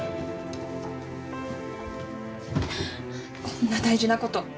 こんな大事なこと。